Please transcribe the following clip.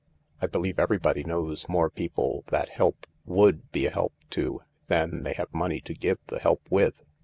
" I believe everybody knows more people that help would be a help to than they have money to give the help with."